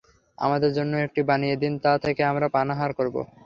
আমাদের জন্যও এমনটি বানিয়ে দিন, তা থেকে আমরা পানাহার করব।